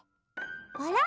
あら？